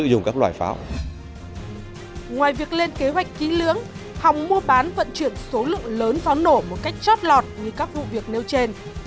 lực lượng lớn pháo nổ một cách chót lọt như các vụ việc nêu trên